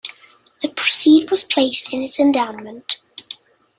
The proceed was placed in its endowment.